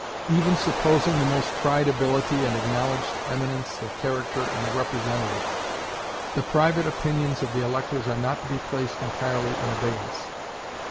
Even supposing the most tried ability and acknowledged eminence of character in the representative, the private opinions of the electors are not to be placed entirely in abeyance.